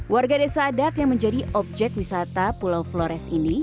warga desa adat yang menjadi objek wisata pulau flores ini